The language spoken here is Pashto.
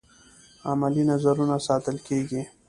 عملي نظرونه ساتل کیږي او ثبتیږي.